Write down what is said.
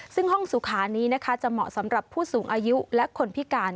ซึ่งห้องสุขานี้นะคะจะเหมาะสำหรับผู้สูงอายุและคนพิการ